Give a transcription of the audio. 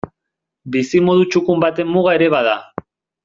Bizimodu txukun baten muga ere bada.